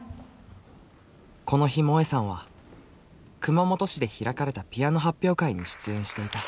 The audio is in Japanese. この日もえさんは熊本市で開かれたピアノ発表会に出演していた。